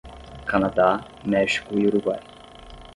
Canadá, México e Uruguai.